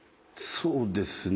そうですね。